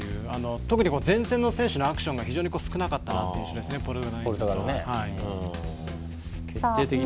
特に前線の選手のアクションが非常に少なかったなという印象です、ポルトガル。